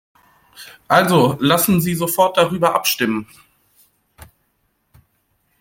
Also lassen Sie sofort darüber abstimmen!